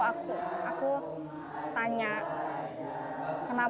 waktu itu kan fajar pernah tidak sekolah